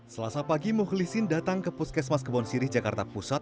selasa pagi mukhlisin datang ke puskesmas kebonsiri jakarta pusat